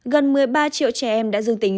gần một mươi ba triệu trẻ em đã dương tính